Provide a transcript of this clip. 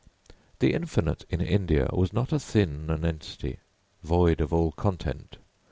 The Infinite in India was not a thin nonentity, void of all content.